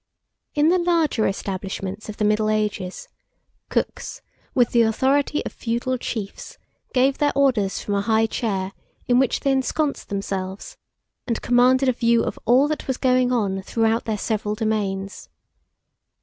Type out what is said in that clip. In the larger establishments of the middle ages, cooks, with the authority of feudal chiefs, gave their orders from a high chair in which they ensconced themselves, and commanded a view of all that was going on throughout their several domains.